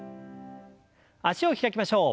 脚を開きましょう。